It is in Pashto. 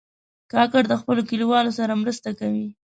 کاکړ د خپلو کلیوالو سره مرسته کوي.